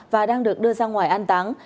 và đang được đưa ra ngoài an táng